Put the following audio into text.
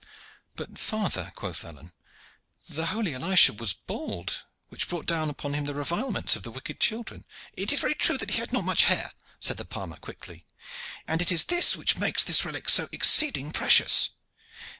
"But, father," quoth Alleyne, "the holy Elisha was bald, which brought down upon him the revilements of the wicked children." "It is very true that he had not much hair," said the palmer quickly, "and it is this which makes this relic so exceeding precious.